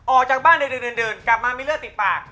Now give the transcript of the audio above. ออกจากบ้านเดินกลับมามีเลือดติดปาก